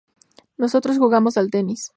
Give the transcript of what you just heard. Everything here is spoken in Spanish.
Nosotros jugamos al tenis.